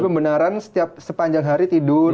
jadi kebenaran setiap sepanjang hari tidur